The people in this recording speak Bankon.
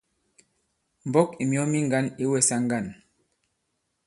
M̀mbɔ̌k ì myɔ̀ɔ mi ŋgǎn ǐ wɛsa ŋgân.